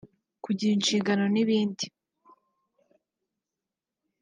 kugira inshingano n’ibindi